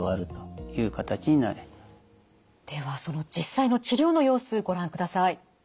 ではその実際の治療の様子ご覧ください。